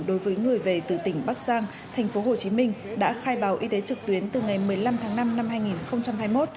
đối với người về từ tỉnh bắc giang tp hcm đã khai báo y tế trực tuyến từ ngày một mươi năm tháng năm năm hai nghìn hai mươi một